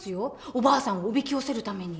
おばあさんをおびき寄せるために。